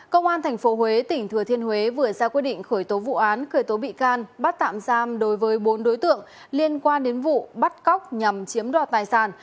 công an tp huế tỉnh thừa thiên huế vừa ra quyết định khởi tố vụ án khởi tố bị can bắt tạm giam đối với bốn đối tượng liên quan đến vụ bắt cóc nhằm chiếm đoạt tài sản